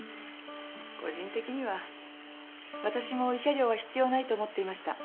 個人的にはわたしも慰謝料は必要ないと思っていました。